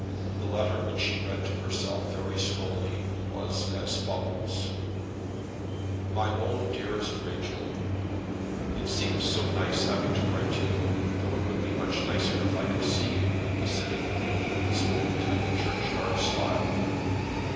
The letter, which she read to herself very slowly, was as follows: MY OWN DEAREST RACHEL, It seems so nice having to write to you, though it would be much nicer if I could see you and be sitting with you at this moment at the churchyard stile.